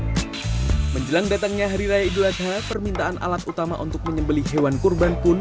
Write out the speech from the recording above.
hai menjelang datangnya hari raya idul adha permintaan alat utama untuk menyebeli hewan kurban pun